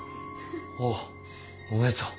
おうおめでとう。